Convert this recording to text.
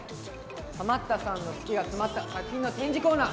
ハマったさんの好きが詰まった作品の展示コーナー。